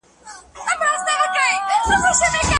که ملاتړ سوی واي نو بریا حتما وه.